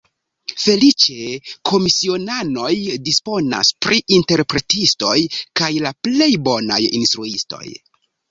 Feliĉe komisionanoj disponas pri interpretistoj kaj la plej bonaj instruistoj.